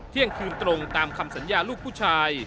เที่ยงคืนตรงตามคำสัญญาลูกผู้ชาย